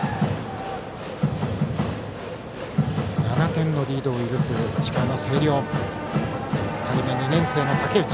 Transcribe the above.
７点リードを許す石川の星稜。